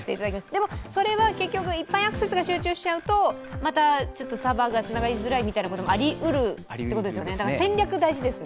でもそれは結局いっぱいアクセスが集中しちゃうとまたサーバーがつながりづらいということもありうるということですよね。